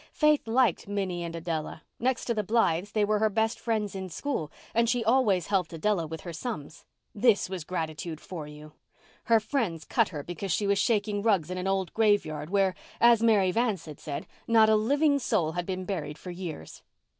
Faith liked Minnie and Adella. Next to the Blythes, they were her best friends in school and she always helped Adella with her sums. This was gratitude for you. Her friends cut her because she was shaking rugs in an old graveyard where, as Mary Vance said, not a living soul had been buried for years.